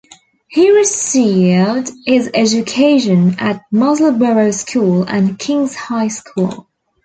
He received his education at Musselborough School and King's High School.